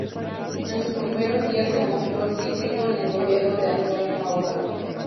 En sus primeros días se mostró crítico con el gobierno de Antonio Maura.